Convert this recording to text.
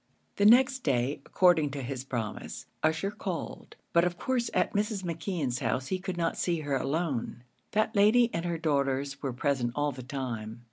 The next day, according to his promise, Ussher called, but of course at Mrs. McKeon's house he could not see her alone; that lady and her daughters were present all the time.